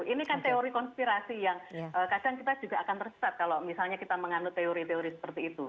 ini kan teori konspirasi yang kadang kita juga akan tersesat kalau misalnya kita menganut teori teori seperti itu